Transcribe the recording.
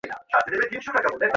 আমি তাদের সকলের নাম জানি না।